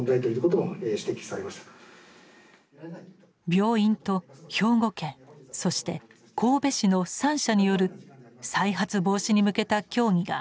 病院と兵庫県そして神戸市の三者による再発防止に向けた協議が初めて行われました。